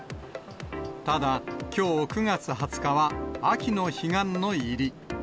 ただ、きょう９月２０日は秋の彼岸の入り。